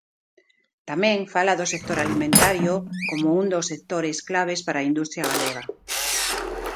Tamén fala do sector alimentario como un dos sectores claves para a industria galega.